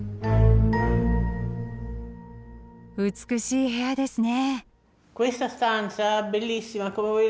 美しい部屋ですね。